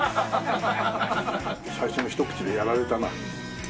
最初のひと口でやられたな。